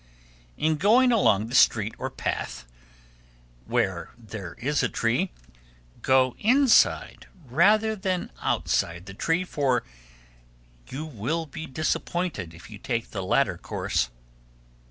In going along the street or path, where there is a tree, go inside rather than outside the tree, for you will be disappointed if you take the latter course.